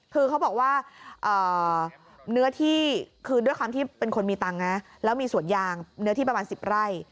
คือเขาบอกว่าเนื้อที่คือด้วยความที่เป็นคนมีตังค์นะแล้วมีสวนยางเนื้อที่ประมาณ๑๐ไร่